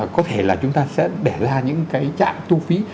có thể là chúng ta sẽ để ra những cái trạm thu phí